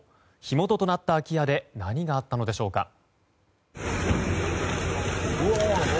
火元となった空き家で何があったのでしょうか。